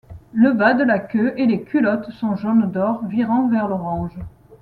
Le bas de la queue et les culottes sont jaune d'or virant vers l'orange.